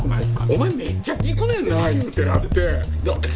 お前めっちゃ聞くねんなってなって。